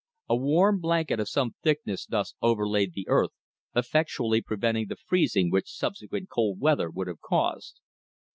A warm blanket of some thickness thus overlaid the earth, effectually preventing the freezing which subsequent cold weather would have caused.